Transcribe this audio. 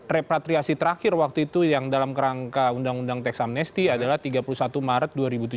repatriasi terakhir waktu itu yang dalam kerangka undang undang teks amnesty adalah tiga puluh satu maret dua ribu tujuh belas